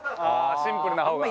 シンプルな方が。